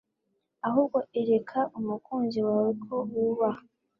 ahubwo ereka umukunzi wawe ko wubaha